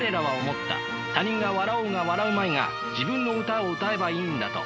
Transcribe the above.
他人が笑おうが笑うまいが自分の歌を歌えばいいんだと。